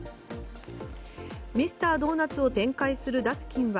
ミスタードーナツを展開するダスキンは